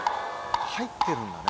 入ってるんだね